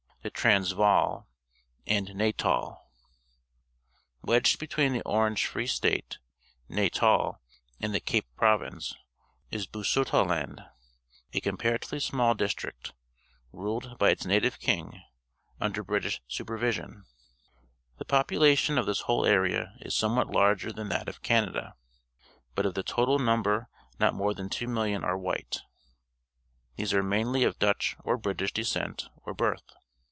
Stretching along the Atlantic from .\ngola between the Orange Free Natal, and the Cape Province is Ba^utoland, a comparatively small district, ruled by itSL nativaJdng under British supervision. The population of tliis whole area is some what larger than that of Canada, but of the total number not more than two millions are white. These are mainly of Dutch or British descent or birth.